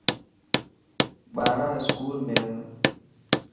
ٻارا اسڪول ام ان